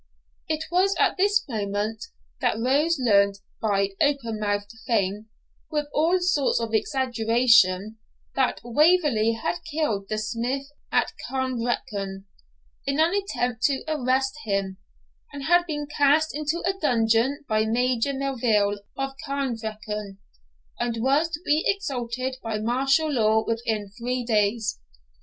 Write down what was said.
It was at this moment that Rose learned, by open mouthed fame, with all sorts of exaggeration, that Waverley had killed the smith at Cairnvreckan, in an attempt to arrest him; had been cast into a dungeon by Major Melville of Cairnvreckan, and was to be executed by martial law within three days.